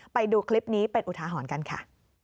ไปดูคลิปนี้เป็นอุทาหรณ์กันค่ะ